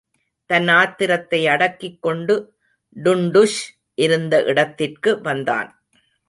தன் ஆத்திரத்தை அடக்கிக் கொண்டு டுண்டுஷ் இருந்த இடத்திற்கு வந்தான்.